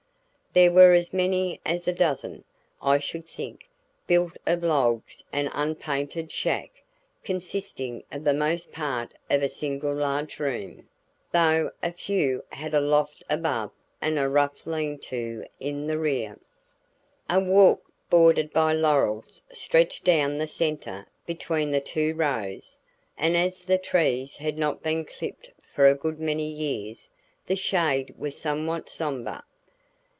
There were as many as a dozen, I should think, built of logs and unpainted shack, consisting for the most part of a single large room, though a few had a loft above and a rough lean to in the rear. A walk bordered by laurels stretched down the center between the two rows, and as the trees had not been clipped for a good many years, the shade was somewhat sombre.